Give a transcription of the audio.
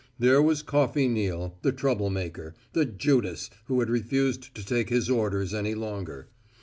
There was Coffey Neal, the trouble maker, the Judas who had refused to take his orders any longer.